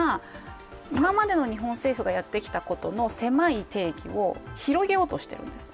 今までの日本政府がやってきたことの狭い定義を広げようとしているんです。